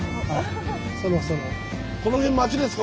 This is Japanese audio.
この辺町ですか？